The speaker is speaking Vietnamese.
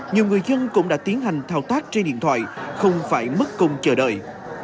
nhiều người dân cũng đã tiến hành thao tác trên điện thoại không phải mất công chờ đợi